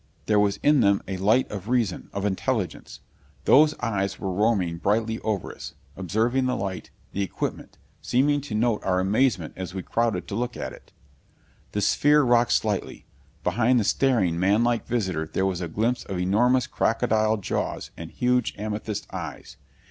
There was in them a light of reason, of intelligence. Those eyes were roaming brightly over us, observing the light, the equipment, seeming to note our amazement as we crowded to look at it. The sphere rocked slightly. Behind the staring, manlike visitor there was a glimpse of enormous, crocodile jaws and huge, amethyst eyes.